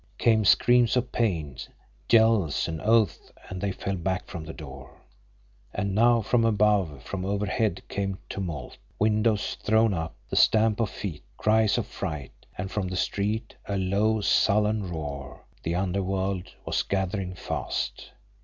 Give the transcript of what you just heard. Came screams of pain, yells, and oaths and they fell back from the door. And now from above, from overhead, came tumult windows thrown up, the stamp of feet, cries of fright. And from the street, a low, sullen roar. The underworld was gathering fast!